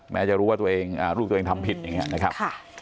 แม้จะรู้ว่าลูกต้องทำผิดนะครับ